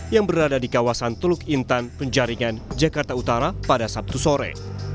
yang berada di kawasan teluk intan penjaringan jakarta utara pada sabtu sore